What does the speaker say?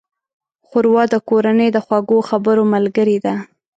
ښوروا د کورنۍ د خوږو خبرو ملګرې ده.